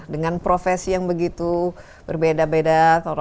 dengan profesi yang begitu berbeda beda